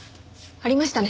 ありましたね。